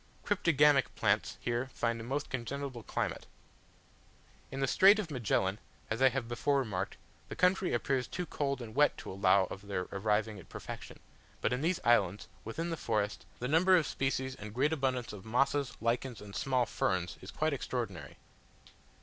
Cryptogamic plants here find a most congenial climate. In the Strait of Magellan, as I have before remarked, the country appears too cold and wet to allow of their arriving at perfection; but in these islands, within the forest, the number of species and great abundance of mosses, lichens, and small ferns, is quite extraordinary.